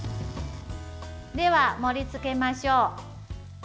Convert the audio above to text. では、盛りつけましょう。